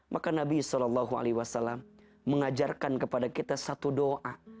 maka nabi saw mengajarkan kepada kita satu doa